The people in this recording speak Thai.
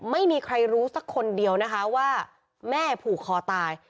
ไม่มีใครรู้สักคนเดียวนะคะว่าแม่ผูกคอตาย